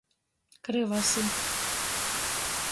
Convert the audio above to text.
Kryvasi.